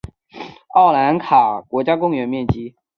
奥兰卡国家公园面积。